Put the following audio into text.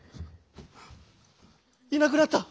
いなくなった！